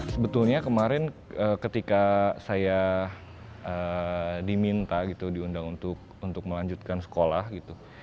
sebetulnya kemarin ketika saya diminta gitu diundang untuk melanjutkan sekolah gitu